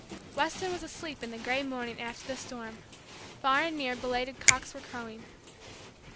Weston was asleep in the gray morning, after the storm. Far and near belated cocks were crowing.